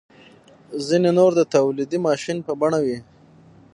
ځینې نور د تولیدي ماشین په بڼه وي.